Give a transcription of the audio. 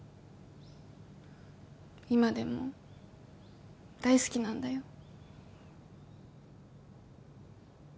今でも大好きなんだよ